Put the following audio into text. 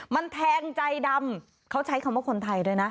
มันแทงใจดำเขาใช้คำว่าคนไทยด้วยนะ